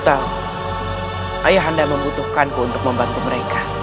ayah anda membutuhkanku untuk membantu mereka